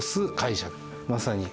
まさに。